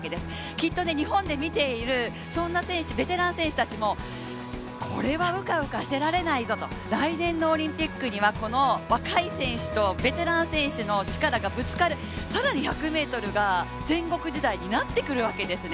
きっと日本で見ている、そんなベテラン選手たちもこれはうかうかしてられないぞと、来年のオリンピックにはこの若い選手とベテラン選手の力がぶつかる、更に１００ｍが戦国時代になってくるわけですよね。